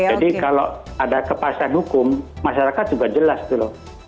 jadi kalau ada kepastian hukum masyarakat juga jelas gitu loh